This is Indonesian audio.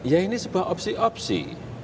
ya ini sebuah opsi opsi